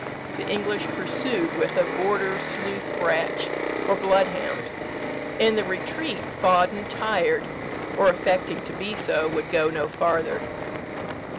The English pursued with a border sleuth bratch, or bloodhound. In the retreat, Fawdon, tired, or affecting to be so, would go no farther.